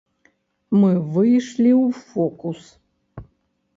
Мы выйшлі ў фокус.